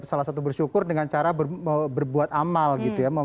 salah satu bersyukur dengan cara berbuat amal gitu ya